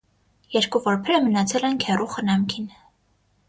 Երկու որբերը մնացել են քեռու խնամքին։